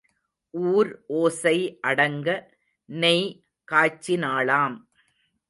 ஊர் ஓசை அடங்க நெய் காய்ச்சினாளாம்.